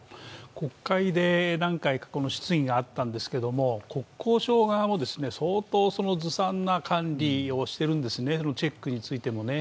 国会で何回か質疑があったんですけど国交省側も相当、ずさんな管理をしているんですね、チェックについても。